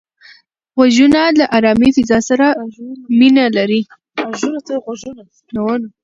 غوږونه له آرامې فضا سره مینه لري